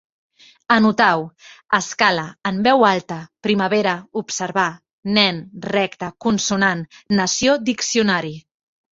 Anotau: escala, en veu alta, primavera, observar, nen, recta, consonant, nació, diccionari